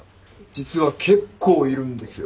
実は結構いるんですよ。